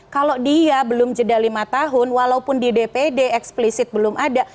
kalau dia belum jeda lima tahun walaupun di dpd eksplisit belum ada